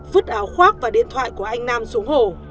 vứt áo khoác và điện thoại của anh nam xuống hồ